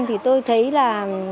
thì tôi thấy là